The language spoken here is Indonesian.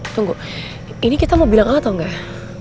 tunggu ini kita mau bilang sama tau gak